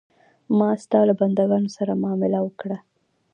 ما ستا له بندګانو سره معامله وکړه.